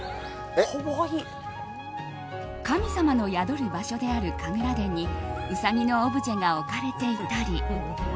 神様の宿る場所である神楽殿にうさぎのオブジェが置かれていたり。